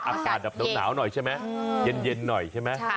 อากาศแบบดุกหนาวหน่อยใช่มั้ยเย็นหน่อยใช่มั้ย